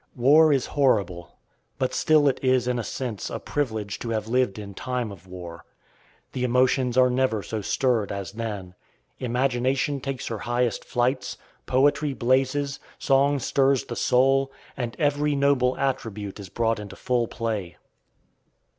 War is horrible, but still it is in a sense a privilege to have lived in time of war. The emotions are never so stirred as then. Imagination takes her highest flights, poetry blazes, song stirs the soul, and every noble attribute is brought into full play.